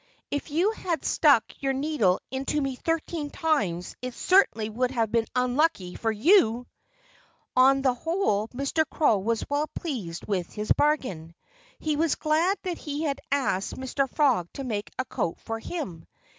If you had stuck your needle into me thirteen times it certainly would have been unlucky for you." On the whole Mr. Crow was well pleased with his bargain. He was glad that he had asked Mr. Frog to make a coat for him.